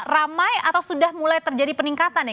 ramai atau sudah mulai terjadi peningkatan nih